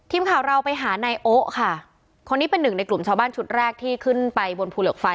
ทีมข่าวเราไปหานายโอ๊ะค่ะคนนี้เป็นหนึ่งในกลุ่มชาวบ้านชุดแรกที่ขึ้นไปบนภูเหล็กไฟ